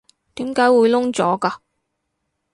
點解會燶咗㗎？